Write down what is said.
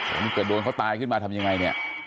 อันนี้เกิดโดนเขาตายขึ้นมาทำยังไงเนี่ย